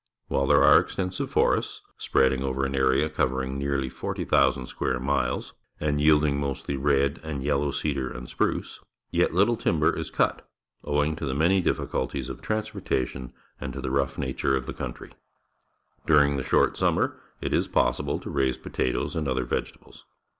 '\^Tlile there are extensive for ests, spreading o^'er an area covering nearly 40,000 square miles and yielding mostly red and yellow cedar and spruce, yet little timber is cut, owing to the many diffi culties of transportation and to the rough nature of the country. During the short sunmier it is possible to raise potatoes and other vegetables.